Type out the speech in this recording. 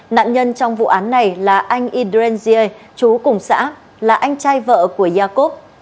nạn nhân trong vụ án này là anh idren zier chú cùng xã là anh trai vợ của jacob